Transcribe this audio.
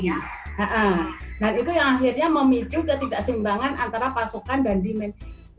nah itu yang akhirnya memicu ketidakseimbangan antara pasokan dan demand